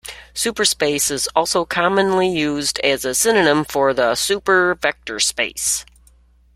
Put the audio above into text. Superspace is also commonly used as a synonym for the super vector space.